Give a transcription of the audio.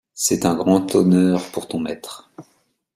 C’est un grand honneur pour ton maître.